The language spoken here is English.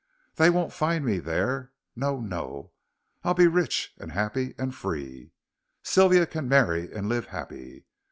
They won't find me there no no! I'll be rich, and happy, and free. Sylvia can marry and live happy.